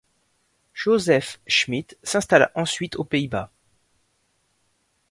Joseph Schmitt s'installa ensuite aux Pays-Bas.